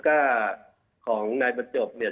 ก็ของนายประจบเนี่ย